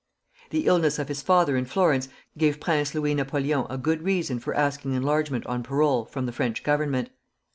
The illness of his father in Florence gave Prince Louis Napoleon a good reason for asking enlargement on parole from the French Government.